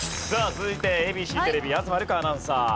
続いてＡＢＣテレビ東留伽アナウンサー。